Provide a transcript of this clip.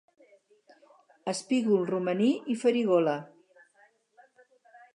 Espígol, romaní i farigola